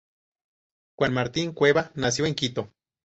Juan Martin Cueva nació en Quito.